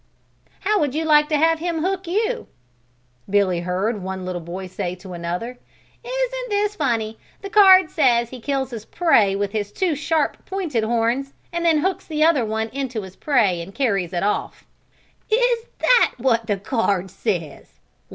How would you like to have him hook you?" Billy heard one little boy say to another. "Isn't this funny, the card says he kills his prey with his two sharp pointed horns and then hooks the other one into his prey and carries it off." "Is that what the card says?